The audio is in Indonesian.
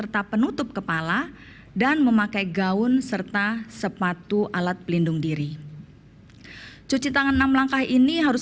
terima kasih kepala dan memakai gaun serta sepatu alat pelindung diri cuci tangan enam langkah ini harus